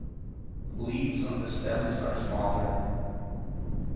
Leaves on the stems are smaller.